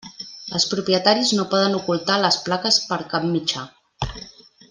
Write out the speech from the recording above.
Els propietaris no poden ocultar les plaques per cap mitjà.